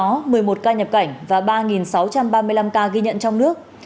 trong đó một mươi một ca nhập cảnh và ba sáu trăm ba mươi năm ca ghi nhận trong nước